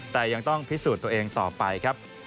แต่ยังต้องพิสูจน์ตัวเองต่อไปครับ